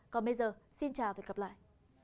còn bây giờ xin chào và hẹn gặp lại